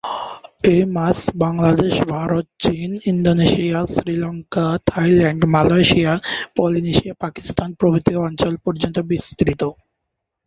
এই মাছ বাংলাদেশ, ভারত, চীন, Indonesia, Sri Lanka, Thailand, Malaysia, Polynesia, Pakistan প্রভৃতি অঞ্চল পর্যন্ত বিস্তৃত।